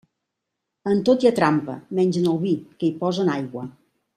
En tot hi ha trampa, menys en el vi, que hi posen aigua.